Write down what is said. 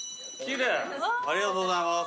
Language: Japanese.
ありがとうございます。